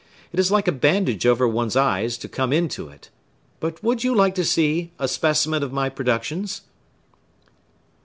It is like a bandage over one's eyes, to come into it. But would you like to see a specimen of my productions?"